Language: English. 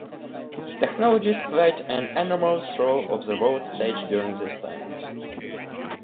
Technologies played an enormous role on the world stage during this time.